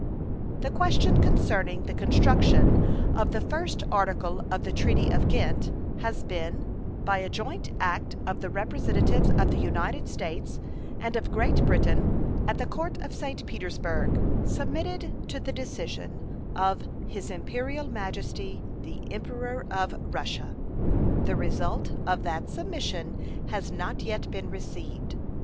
The question concerning the construction of the first article of the treaty of Ghent has been, by a joint act of the representatives of the United States and of Great Britain at the Court of St. Petersburg, submitted to the decision of His Imperial Majesty the Emperor of Russia. The result of that submission has not yet been received.